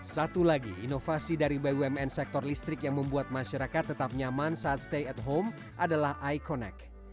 satu lagi inovasi dari bumn sektor listrik yang membuat masyarakat tetap nyaman saat stay at home adalah ikonek